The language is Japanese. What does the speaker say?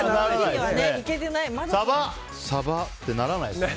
サバってならないですね。